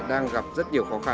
một mươi tám đồng một cân ạ